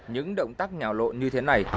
những động tác nhào lộ như thế này